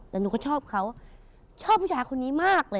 แต่หนูก็ชอบเขาชอบผู้ชายคนนี้มากเลย